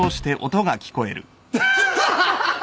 ハハハハハ。